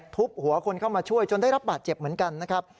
ทุบหัวคนเข้ามาช่วยจนได้รับบาดเจ็บเหมือนกันนะครับ